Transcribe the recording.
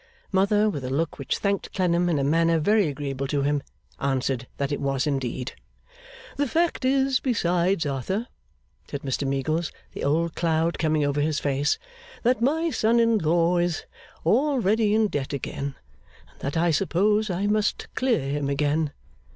Mother, with a look which thanked Clennam in a manner very agreeable to him, answered that it was indeed. 'The fact is, besides, Arthur,' said Mr Meagles, the old cloud coming over his face, 'that my son in law is already in debt again, and that I suppose I must clear him again.